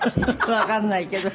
わかんないけど。